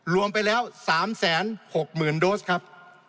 รวมไปแล้ว๓๖๐๐๐โดสครับ